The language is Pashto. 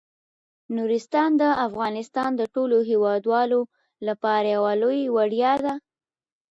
نورستان د افغانستان د ټولو هیوادوالو لپاره یو لوی ویاړ دی.